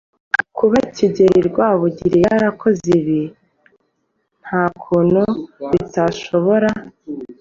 Kuba Kigeli Rwabugili yarakoze ibi nta kuntu bitashoboraga